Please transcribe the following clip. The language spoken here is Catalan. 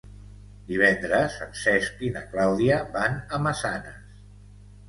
Divendres en Cesc i na Clàudia van a Massanes.